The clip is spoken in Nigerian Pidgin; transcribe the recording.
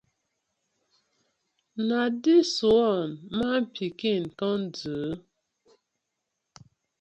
Na dis one man pikin waste time kom do?